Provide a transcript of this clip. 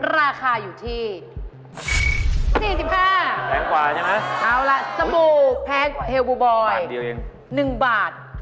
ราคาอยู่ที่๔๕แพงกว่าใช่ไหมเอาล่ะสบู่แพงเฮลบูบอย๑บาท